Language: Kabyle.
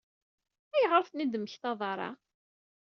Ayɣer ur tent-id-temmektaḍ ara?